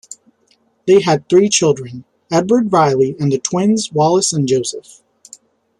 They had three children: Edward Reilly and twins Wallace and Joseph.